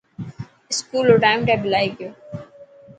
اسڪول رو ٽائم ٽيبل آي گيو.